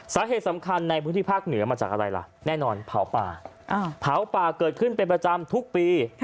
สาเหตุสำคัญในพื้นที่ภาคเหนือมาจากอะไรล่ะแน่นอนเผาป่าเผาป่าเกิดขึ้นเป็นประจำทุกปี